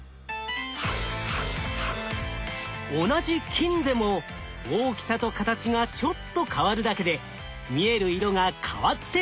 同じ金でも大きさと形がちょっと変わるだけで見える色が変わってしまう。